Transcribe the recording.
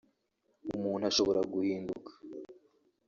umuntu ashobora guhinduka